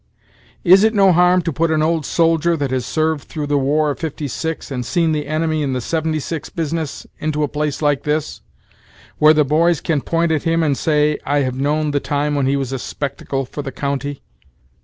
Is it no harm to put an old soldier, that has served through the war of 'fifty six, and seen the enemy in the 'seventy six business, into a place like this, where the boys can point at him and say, I have known the time when he was a spectacle for the county?